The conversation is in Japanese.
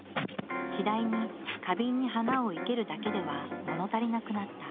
次第に花瓶に花を生けるだけではもの足りなくなった。